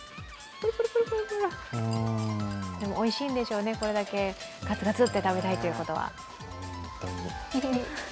でも、おいしいんでしょうね、これだけガツガツと食べたいということは。